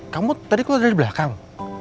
kamu tadi keluar dari belakang